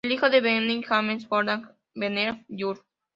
El hijo de Bennett, James Gordon Bennett, Jr.